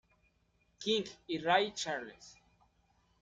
King y Ray Charles.